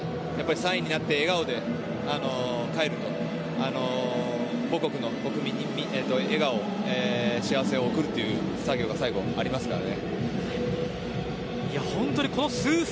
３位になって笑顔で帰る母国の国民に笑顔と幸せを送るという作業が最後ありますからね。